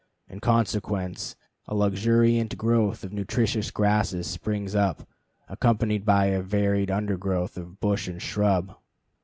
In consequence a luxuriant growth of nutritious grasses springs up, accompanied by a varied undergrowth of bush and shrub.